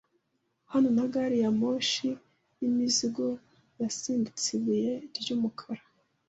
Hano na gari ya moshi yimizigo yasimbutse ibuye ry'umukara